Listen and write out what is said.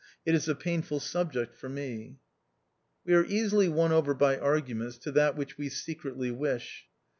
It is a painful subject for me." We are easily won over by argu ments to that which we secretly wish.